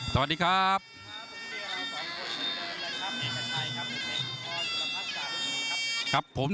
สวัสดีครับ